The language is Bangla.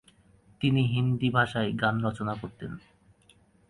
তিনি হিন্দি ভাষায় গান রচনা করতেন।